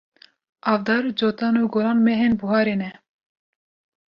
Avdar, Cotan û Gulan mehên buharê ne.